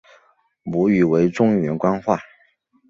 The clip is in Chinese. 母语为中原官话。